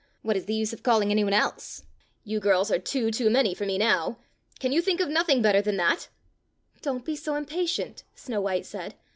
"What is the use of call ing any one else.^ You girls are two too many for me now. Can you think of nothing better than that.^" "Don't be so impatient," Snow white said.